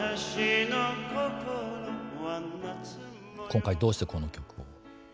今回どうしてこの曲を？